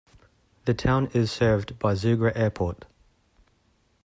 The town is served by Zougra Airport.